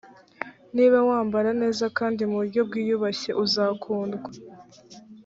niba wambara neza kandi mu buryo bwiyubashye uzakundwa